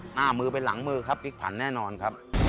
หน้ามือเหลือหลังมืออิกภัณฑ์